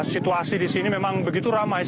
situasi di sini memang begitu ramai